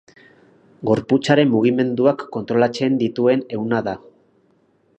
Gorputzaren mugimenduak kontrolatzen dituen ehuna da.